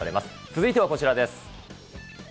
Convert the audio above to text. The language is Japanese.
続いてはこちらです。